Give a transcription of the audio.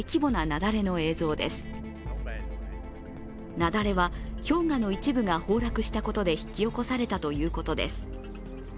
雪崩は氷河の一部が崩落したことで引き起こされたということです。